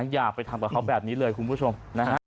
อย่าไปทำกับเขาแบบนี้เลยคุณผู้ชมนะฮะ